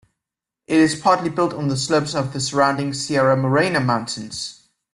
It is partly built on the slopes of the surrounding Sierra Morena mountains.